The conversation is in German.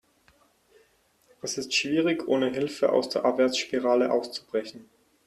Es ist schwierig, ohne Hilfe aus der Abwärtsspirale auszubrechen.